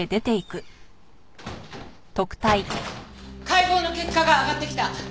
解剖の結果があがってきた。